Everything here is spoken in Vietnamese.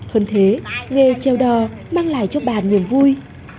hơn thế nghề treo đò mang lại cho bà niềm vui